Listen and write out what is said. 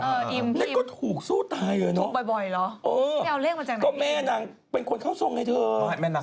นี่ก็ถูกสู้ตายเลยเนอะ